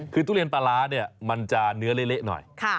คือทุเรียนปลาร้าเนี่ยมันจะเนื้อเละหน่อย